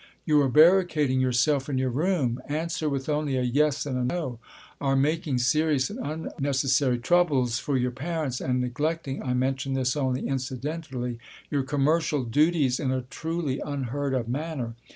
You are barricading yourself in your room, answer with only a yes and a no, are making serious and unnecessary troubles for your parents, and neglecting (I mention this only incidentally) your commercial duties in a truly unheard of manner.